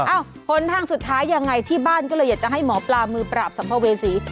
หนทางสุดท้ายยังไงที่บ้านก็เลยอยากจะให้หมอปลามือปราบสัมภเวษี